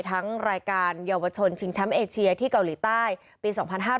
ทั้งรายการเยาวชนชิงแชมป์เอเชียที่เกาหลีใต้ปี๒๕๕๙